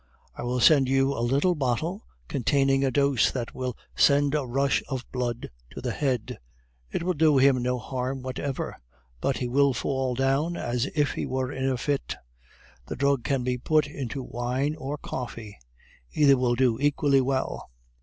"I will send you a little bottle containing a dose that will send a rush of blood to the head; it will do him no harm whatever, but he will fall down as if he were in a fit. The drug can be put into wine or coffee; either will do equally well.